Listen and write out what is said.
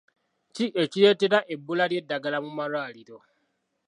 Ki ekireetera ebbula ly'eddagala mu malwaliro?